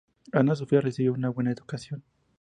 Ana Sofía recibió una buena educación.